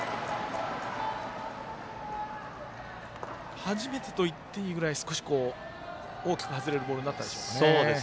初めてといっていいぐらい大きく外れるボールになったでしょうか。